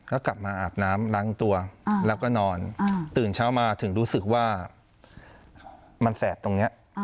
ก็กลับมาอาบน้ำล้างตัวแล้วก็นอนตื่นเช้ามาถึงรู้สึกว่ามันแสบตรงนี้